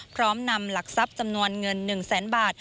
พร้อมนำหลักทรัพย์จำนวนเงิน๑แสนบาท